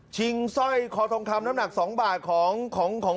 สร้อยคอทองคำน้ำหนัก๒บาทของ